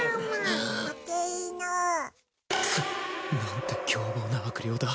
くっ何て凶暴な悪霊だ